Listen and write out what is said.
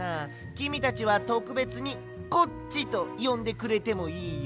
きみたちはとくべつに「コッチ」とよんでくれてもいいよ。